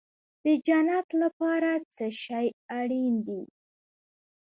د جنت لپاره څه شی اړین دی؟